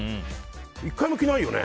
１回も着ないよね。